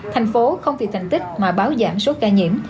thành phố không vì thành tích mà báo giảm số ca nhiễm